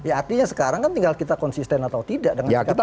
ya artinya sekarang kan tinggal kita konsisten atau tidak dengan sikap kita itu